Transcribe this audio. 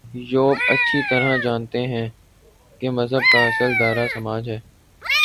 Pope اچھی طرح جانتے ہیں کہ مذہب کا اصل دائرہ سماج ہے۔